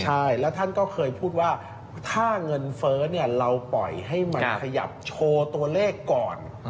ใช่แล้วท่านก็เคยพูดว่าถ้าเงินเฟ้อเราปล่อยให้มันขยับโชว์ตัวเลขก่อน